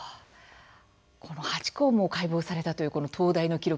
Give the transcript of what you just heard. このハチ公も解剖されたというこの東大の記録